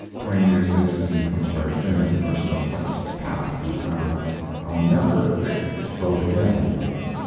[Twain used this in Huckleberry Finn in the person of Huck's 'Pap' who vowed "I'll never (hic)vote again."